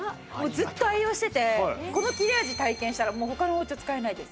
ずっと愛用しててこの切れ味体験したらもう他の包丁使えないです。